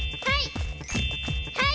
はい！